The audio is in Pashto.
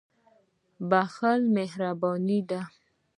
• بخښل مهرباني ده.